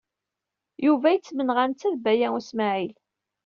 Yuba yettmenɣa netta d Baya U Smaɛil.